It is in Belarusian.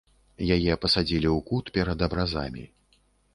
Яе пасадзілі ў кут перад абразамі.